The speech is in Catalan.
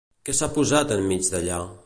Què s'ha posat en mig d'allà?